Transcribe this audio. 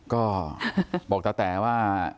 ก็บอกตาแต๋ว่า